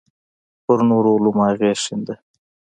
پر نورو علومو اغېز ښنده.